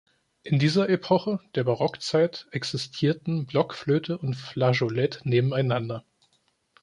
In dieser Epoche, der Barockzeit, existierten Blockflöte und Flageolett nebeneinander.